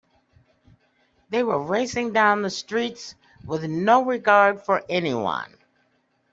They were racing down the streets with no regard for anyone.